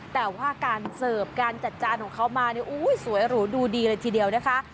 แต่ว่าการเสิร์ฟการจัดจานของเขามาเนี่ยสวยหรูดูดีเลยทีเดียวนะคะ